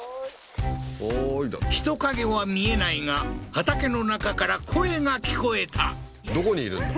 人影は見えないが畑の中から声が聞こえたどこにいるんだ？